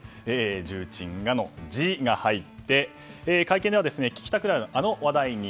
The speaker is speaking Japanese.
重鎮の「ジ」が入って会見では聞きたくなるあの話題に。